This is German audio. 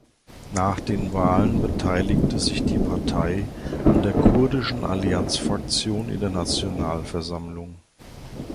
Nach den Wahlen beteiligte sich die Partei an der Kurdischen Allianz-Fraktion in der Nationalversammlung.